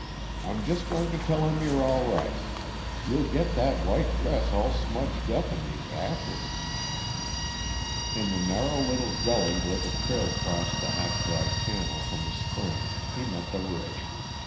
"I'm just going to tell him you're all right. You'll get that white dress all smudged up in these ashes." In the narrow little gully where the trail crossed the half dry channel from the spring he met the rig.